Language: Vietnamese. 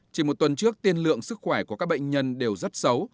chỉ một tuần trước tiên lượng sức khỏe của các bệnh nhân đều rất xấu